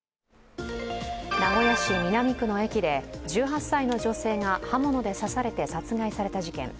名古屋市南区の駅で１８歳の女性が刃物で刺されて殺害された事件。